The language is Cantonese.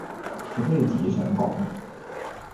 除非你自己想講